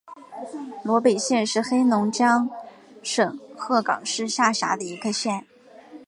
萝北县是黑龙江省鹤岗市下辖的一个县。